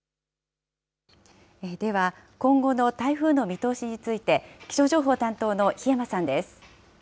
では今後の台風の見通しについて気象情報担当の檜山さんです。